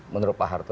menurut pak harto